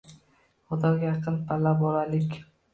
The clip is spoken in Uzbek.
Xudoga yaqin palla bolalik